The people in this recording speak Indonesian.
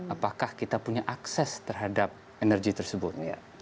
apakah kita punya akses terhadap energi tersebut